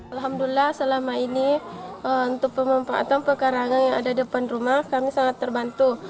alhamdulillah selama ini untuk pemanfaatan pekarangan yang ada di depan rumah kami sangat terbantu